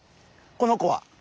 この子は。